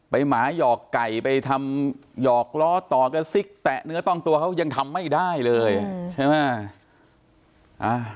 หมาหยอกไก่ไปทำหยอกล้อต่อกระซิกแตะเนื้อต้องตัวเขายังทำไม่ได้เลยใช่ไหม